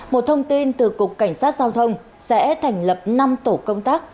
một thông tin từ cục cảnh sát giao thông sẽ thành lập năm tổ công tác